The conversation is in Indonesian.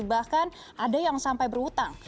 bahkan ada yang sampai berutang